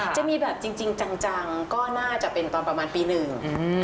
จะมีแบบจริงจังก็น่าจะเป็นตอนประมาณปีหนึ่ง